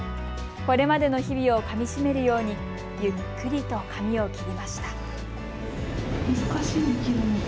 これまでの日々をかみしめるようにゆっくりと髪を切りました。